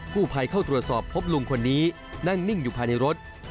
ผู้ภัยเข้าตรวจสอบพบลุงคนนี้นั่งนิ่งอยู่ภายในรถ